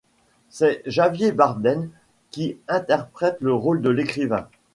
C’est Javier Bardem qui interprète le rôle de l’écrivain.